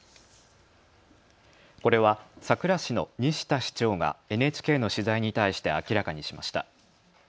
これは佐倉市の西田市長がＮＨＫの取材に対して明らかにしました。